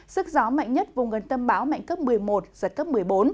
sức gió mạnh nhất vùng gần tâm bão mạnh cấp một mươi một giật cấp một mươi bốn